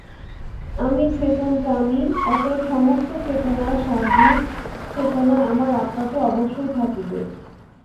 আমি চেতন প্রাণী, অতএব সমস্ত চেতনার সারভূত চেতনা আমার আত্মাতে অবশ্যই থাকিবে।